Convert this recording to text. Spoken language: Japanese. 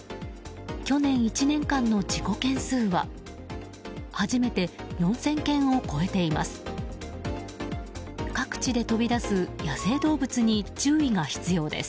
去年１年間の事故件数は初めて４０００件を超えています。